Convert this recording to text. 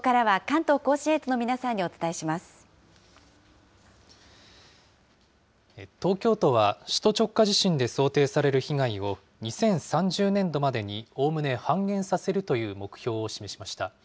東京都は、首都直下地震で想定される被害を、２０３０年度までにおおむね半減させるという目標を示しました。